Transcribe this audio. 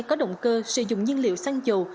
có động cơ sử dụng nhiên liệu xăng dầu